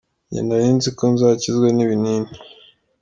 Njye nari nzi ko nzakizwa n’ibinini.